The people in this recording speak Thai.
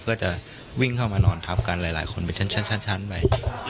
ก็จะวิ่งเข้ามานอนทับกันหลายคนเป็นชั้นไป